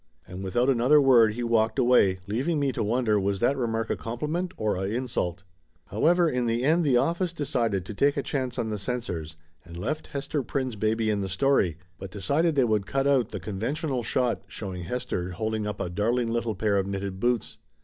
And without another word he walked away, leaving me to wonder was that remark a compliment or a in sult? However, in the end the office decided to take a chance on the censors and left Hester Prynne's baby in the story, but decided they would cut out the con Laughter Limited 293 ventional shot showing Hester holding up a darling little pair of knitted boots.